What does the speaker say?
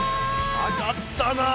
あがったなあ。